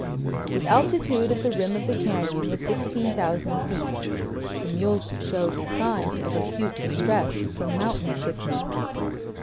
The altitude of the rim of the canyon was 16,000 feet; the mules showed signs of acute distress from mountain sickness.